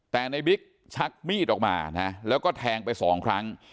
แต่ในบิ๊กชักมีดออกมานะแล้วก็แทงไปสองครั้ง